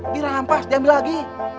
dirampas diambil lagi